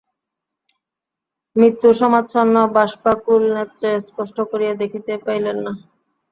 মৃত্যুসমাচ্ছন্ন বাষ্পাকুলনেত্রে স্পষ্ট করিয়া দেখিতে পাইলেন না।